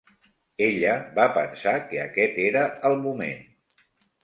Ella va pensar que aquest era el moment.